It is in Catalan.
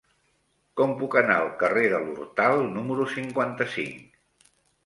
Com puc anar al carrer de l'Hortal número cinquanta-cinc?